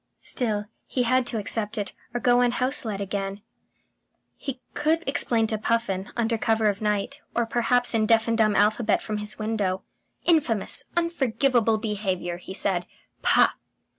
Still, he had to accept it, or go unhouseled again. He could explain to Puffin, under cover of night, or perhaps in deaf and dumb alphabet from his window. ... "Infamous, unforgivable behaviour!" he said. "Pah!"